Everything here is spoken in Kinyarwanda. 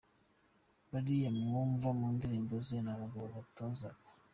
Bariya wumva mu ndirimbo ze ni abagabo yatozaga.